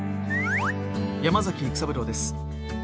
山崎育三郎です。